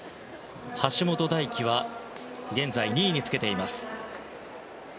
橋本大輝は現在２位につけています。